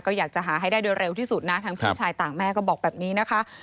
ก็อยากจะหาให้ได้โดยเร็วที่สุดนะทั้งพี่ชายต่างแม่ก็บอกแบบนี้นะคะ